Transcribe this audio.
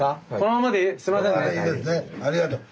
ありがとう。